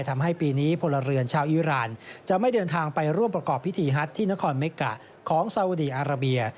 ทำให้ปีนี้พลเรือนชาวอิราณจะไม่เดินทางไปร่วมประกอบพิธีฮัทที่นครเมกะของสาวดีอาราเบีย